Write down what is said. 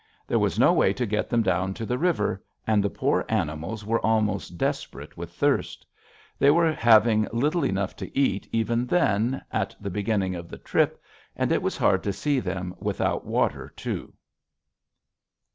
There was no way to get them down to the river, and the poor animals were almost desperate with thirst. They were having little enough to eat even then, at the beginning of the trip, and it was hard to see them without water, too.